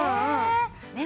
ねえ。